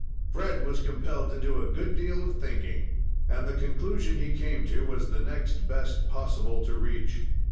Fred was compelled to do a good deal of thinking, and the conclusion he came to was the next best possible to reach.